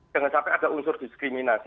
jangan sampai ada unsur diskriminasi